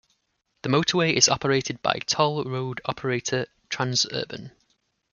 The motorway is operated by toll road operator Transurban.